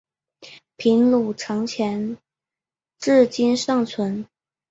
平鲁城墙至今尚存。